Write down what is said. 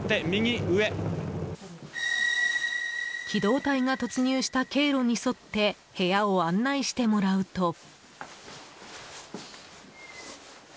機動隊が突入した経路に沿って部屋を案内してもらうと。